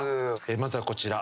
まずは、こちら。